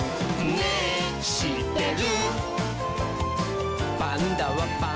「ねぇしってる？」